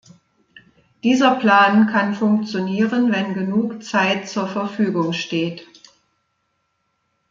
Dieser Plan kann funktionieren, wenn genug Zeit zur Verfügung steht.